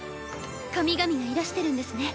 神々がいらしてるんですね。